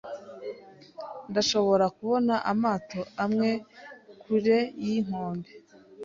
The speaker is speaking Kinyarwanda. Ndashobora kubona amato amwe kure yinkombe.